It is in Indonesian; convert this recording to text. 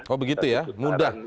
oh begitu ya mudah